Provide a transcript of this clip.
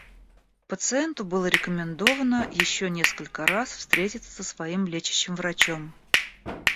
Пациенту было рекомендовано ещё несколько раз встретиться со своим лечащим врачом.